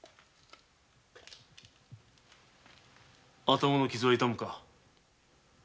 頭の傷は痛むか？